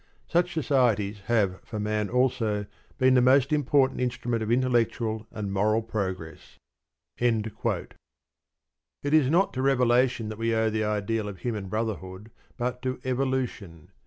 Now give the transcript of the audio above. Such societies have for man also been the most important instrument of intellectual and moral progress. It is not to revelation that we owe the ideal of human brotherhood, but to evolution.